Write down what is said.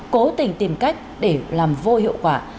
cố tình tìm cách để làm vô hiệu quả